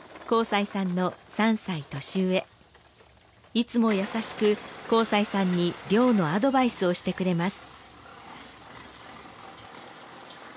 いつも優しく幸才さんに漁のアドバイスをしてくれます。